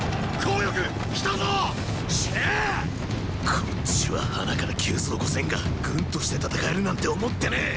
こっちはハナから急造五千が軍として戦えるなんて思ってねェ！